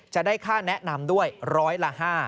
จะได้ค่าแนะนำด้วยร้อยละ๕